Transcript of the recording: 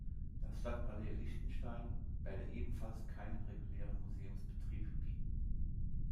Das Stadtpalais Liechtenstein werde ebenfalls keinen regulären Museumsbetrieb bieten.